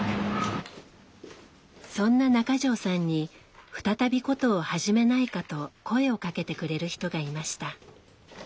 そんな中条さんに再び箏を始めないかと声をかけてくれる人がいました。